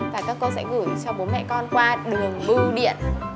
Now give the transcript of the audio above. và các con sẽ gửi cho bố mẹ con qua đường bưu điện